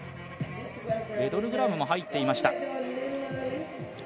ウェドルグラブも入っていました。